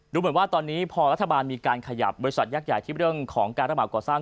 เหมือนว่าตอนนี้พอรัฐบาลมีการขยับบริษัทยักษ์ใหญ่ที่เรื่องของการระบาดก่อสร้าง